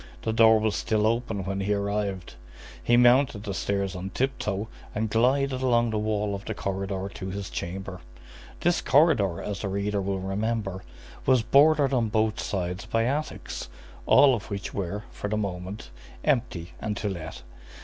The door was still open when he arrived. He mounted the stairs on tip toe and glided along the wall of the corridor to his chamber. This corridor, as the reader will remember, was bordered on both sides by attics, all of which were, for the moment, empty and to let.